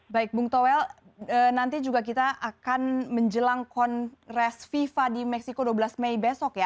baik bung towel nanti juga kita akan menjelang kongres fifa di meksiko dua belas mei besok ya